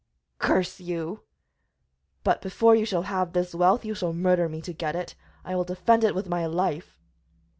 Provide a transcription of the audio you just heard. "Curse you! But before you shall have this wealth you shall murder me to get it; I will defend it with my life."